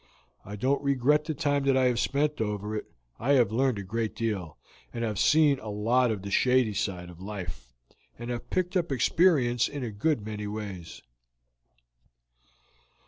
I don't regret the time that I have spent over it; I have learned a great deal, and have seen a lot of the shady side of life, and have picked up experience in a good many ways."